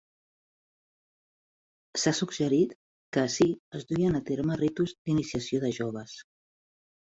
S'ha suggerit que ací es duien a terme ritus d'iniciació de joves.